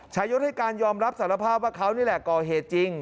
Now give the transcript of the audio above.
ยศให้การยอมรับสารภาพว่าเขานี่แหละก่อเหตุจริง